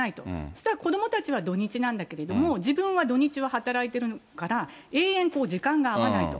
したら子どもたちは土日なんだけれども、自分は土日は働いているから、永遠と時間が合わないと。